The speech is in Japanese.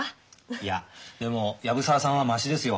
いやでも藪沢さんはましですよ。